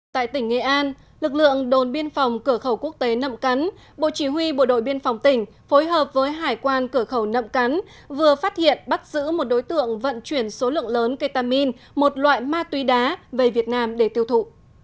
tại tỉnh nghệ an lực lượng đồn biên phòng cửa khẩu quốc tế nậm cắn bộ chỉ huy bộ đội biên phòng tỉnh phối hợp với hải quan cửa khẩu nậm cắn vừa phát hiện bắt giữ một đối tượng vận chuyển số lượng lớn ketamin một loại ma túy đá về việt nam để tiêu thụ